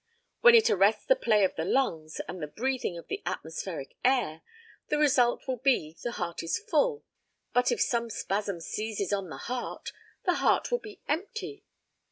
When it arrests the play of the lungs and the breathing of the atmospheric air, the result will be that the heart is full; but if some spasm siezes on the heart, the heart will be empty.